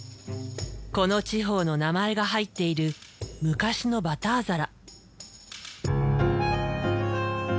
この地方の名前が入っている昔のバター皿。